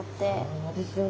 そうですよね。